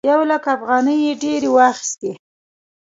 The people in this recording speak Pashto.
یو لک افغانۍ یې ډېرې واخيستې.